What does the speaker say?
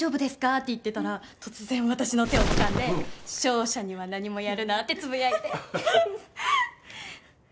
って言ってたら突然私の手をつかんで「勝者には何もやるな」ってつぶやいて。